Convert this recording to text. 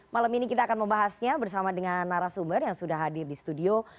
malam ini kita akan membahasnya bersama dengan narasumber yang sudah hadir di studio